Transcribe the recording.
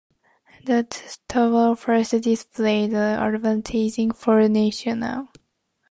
The tower first displayed advertising for National.